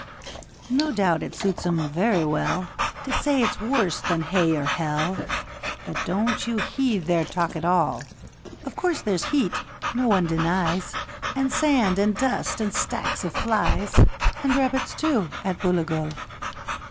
'No doubt it suits 'em very well To say it's worse than Hay or Hell, But don't you heed their talk at all; Of course, there's heat no one denies And sand and dust and stacks of flies, And rabbits, too, at Booligal.